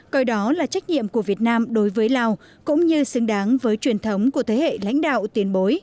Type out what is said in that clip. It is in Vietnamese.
coi đó là trách nhiệm của việt nam đối với lào cũng như xứng đáng với truyền thống của thế hệ lãnh đạo tiền bối